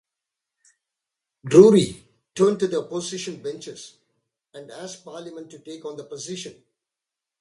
Drury, turned to the opposition benches and asked Parliament to take on the position.